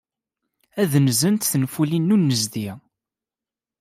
Ad nzent tenfulin n unnezdi.